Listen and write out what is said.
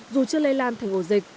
dù chưa lây lan thành ổ dịch